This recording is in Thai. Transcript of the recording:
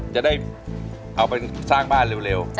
จะได้เอาไปสร้างบ้านเร็ว